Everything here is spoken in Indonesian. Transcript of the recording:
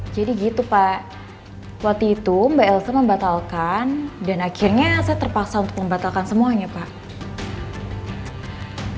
jadi gitu pak waktu itu mbak elsa membatalkan dan akhirnya saya terpaksa untuk membatalkan semuanya pak